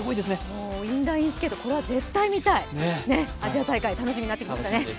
もうインラインスケートこれは絶対見たいアジア大会、楽しみになってきましたね。